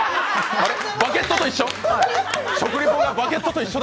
バゲットと一緒。